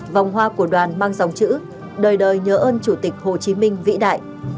vòng hoa của đoàn mang dòng chữ đời đời nhớ ơn chủ tịch hồ chí minh vĩ đại